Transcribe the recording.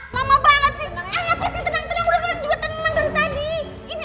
lama banget sih ayo tenang tenang udah gue tenang dari tadi